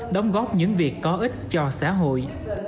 đóng góp những việc có ích cho xã hội